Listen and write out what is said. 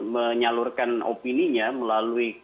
menyalurkan opininya melalui